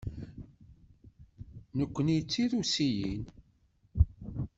Nekkni d Tirusiyin.